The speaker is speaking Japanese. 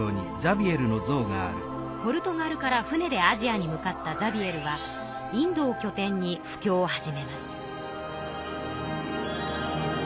ポルトガルから船でアジアに向かったザビエルはインドをきょ点に布教を始めます。